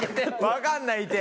分かんないって！